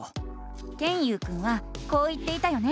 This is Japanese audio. ケンユウくんはこう言っていたよね。